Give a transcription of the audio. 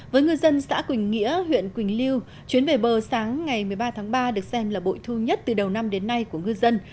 với ngư dân xã quỳnh nghĩa huyện quỳnh lưu chuyến về bờ sáng ngày một mươi ba tháng ba được xem là bội thu nhất từ đầu năm đến nay của ngư dân